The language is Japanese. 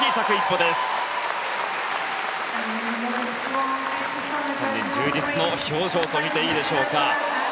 本人、充実の表情と見ていいでしょうか。